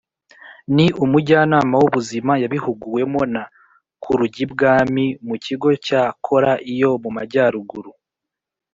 Ni umujyanama w’ubuzima yabihuguwemo na kurujyibwami mu kigo cya kora iyo mu majyaruguru